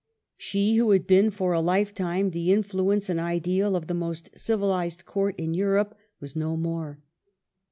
She who had been for a lifetime the influence and ideal of the most civilized court in Europe was no more.